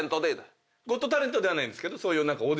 『ゴット・タレント』ではないんですけどそういう。